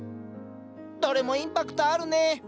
どれもインパクトあるね。